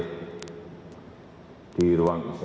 walau sudah berjalan ke tempat lain